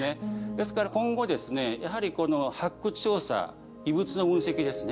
ですから今後ですねやはり発掘調査遺物の分析ですね